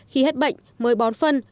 khi hết bệnh mới bón phát triển